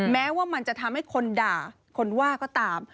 แม้ว่ามันจะทำให้คนด่าคนว่าก็ตาม